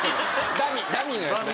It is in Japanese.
ダミーのやつね。